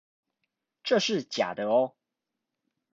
這是假的喔